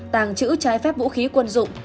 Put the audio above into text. tàng trữ trái phép vũ khí quân dụng